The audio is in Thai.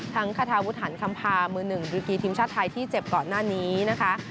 ทั้งคาทาวุฒร์ฐานคำพาว์มือ๑ดริกิทีมชาติไทยที่เจ็บก่อนหน้านี้นะคะ